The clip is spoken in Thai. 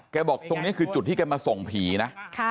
บอกตรงนี้คือจุดที่แกมาส่งผีนะ